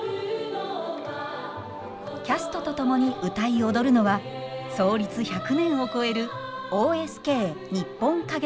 キャストと共に歌い踊るのは創立１００年を超えるＯＳＫ日本歌劇団。